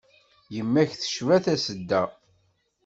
Yemma-k tecba tasedda.